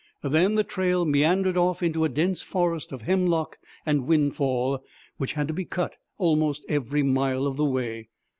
Then the trail meandered off into a dense forest of hemlock and windfall, which had to be cut almost every mile of the way.